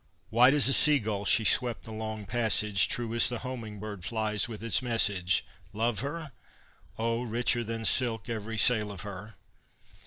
White as a seagull she swept the long passage. True as the homing bird flies with its message. Love her? O, richer than silk every sail of her.